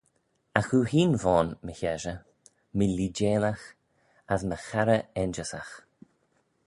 Agh oo hene v'ayn, my heshey: my leeideilagh, as my charrey ainjyssagh.